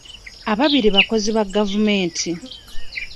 Ababiri bakozi ba gavumenti.